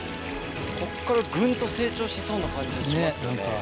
ここからグンっと成長しそうな感じがしますよね。